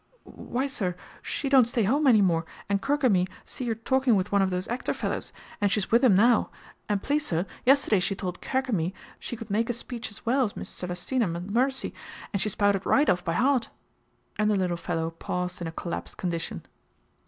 "Why, sir, she don't stay home any more, and 'Kerg' and me see her talking with one of those actor fellers, and she's with him now; and please, sir, yesterday she told 'Kerg' and me she could make a speech as well as Miss Cellerstina Montmoressy, and she spouted right off by heart," and the little fellow paused in a collapsed condition.